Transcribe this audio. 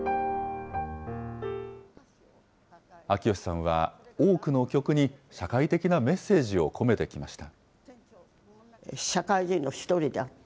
秋吉さんは、多くの曲に社会的なメッセージを込めてきました。